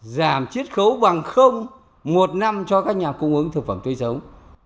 giảm chiết khấu bằng một năm cho các nhà cung ứng thực phẩm tươi sống